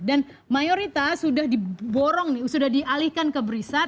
dan mayoritas sudah diborong nih sudah dialihkan ke brisat